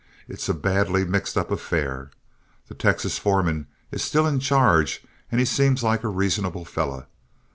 It's a badly mixed up affair. The Texas foreman is still in charge, and he seems like a reasonable fellow.